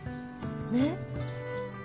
ねっ。